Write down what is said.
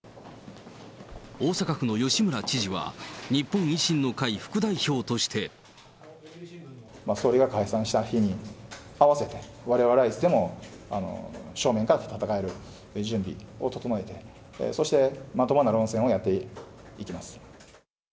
大阪府の吉村知事は、日本維新の会副代表として。総理が解散した日に合わせて、われわれはいつでも正面から戦える準備を整えて、そしてまともな論戦をやっていきます。